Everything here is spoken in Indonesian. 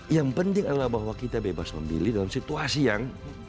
yang penting adalah bahwa kita bebas memilih dalam situasi yang